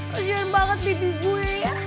kasian banget bagi gue ya